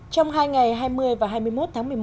trong hai ngày hai mươi và hai mươi một tháng một mươi một